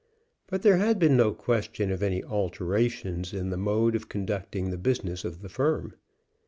But there had been no question of any alterations in the mode of conducting the business of the firm.